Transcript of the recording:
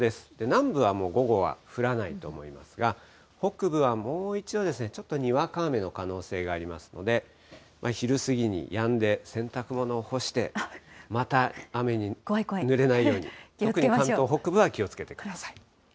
南部はもう午後は降らないと思いますが、北部はもう一度ちょっとにわか雨の可能性がありますので、昼過ぎにやんで、洗濯物を干して、また雨にぬれないように、特に関東北部は気をつけてください。